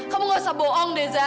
kamu gak usah bohong deh za